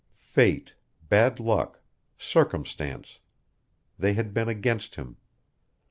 Fate, bad luck, circumstance they had been against him.